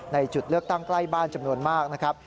จุดเลือกตั้งใกล้บ้านจำนวนมากนะครับ